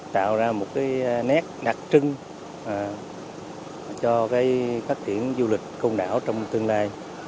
tạo ra một cái nét đặc trưng cho cái phát triển du lịch côn đảo trong tương lai